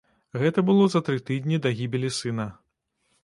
Гэта было за тры тыдні да гібелі сына.